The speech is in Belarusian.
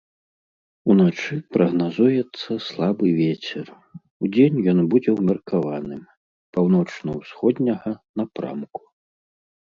Уначы прагназуецца слабы вецер, удзень ён будзе ўмеркаваным, паўночна-ўсходняга напрамку.